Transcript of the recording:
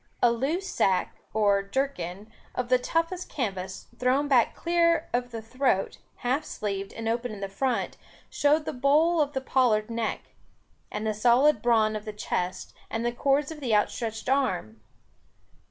A loose sack, or jerkin, of the toughest canvass, thrown back clear of the throat, half sleeved, and open in front, showed the bole of the pollard neck, the solid brawn of the chest, and the cords of the outstretched arm.